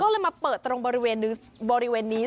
ก็เลยมาเปิดตรงบริเวณนี้